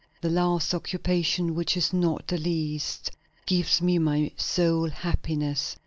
The last occupation, which is not the least, gives me my sole happiness.